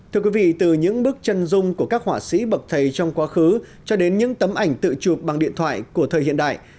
thưa quý vị từ những bức chân dung của các họa sĩ bậc thầy trong quá khứ cho đến những tấm ảnh tự chụp bằng điện thoại của thời hiện đại